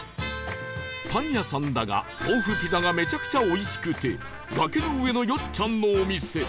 パン屋さんだが豆腐ピザがめちゃくちゃおいしくて崖の上のよっちゃんのお店